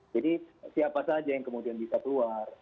jadi siapa saja yang kemudian bisa keluar